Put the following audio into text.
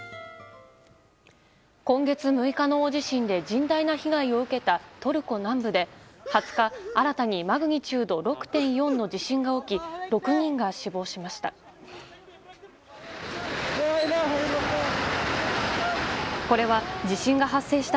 今月６日の大地震で甚大な被害を受けたトルコ南部で２０日、新たにマグニチュード６．４の地震が起き６人が死亡しました。